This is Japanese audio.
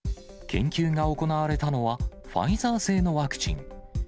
研究が行われたのは、ファイザー製のワクチン。